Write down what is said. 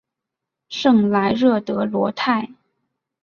圣莱热德罗泰。